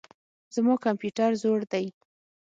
زما کمپيوټر زوړ دئ.